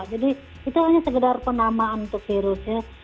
jadi itu hanya sekedar penamaan untuk virusnya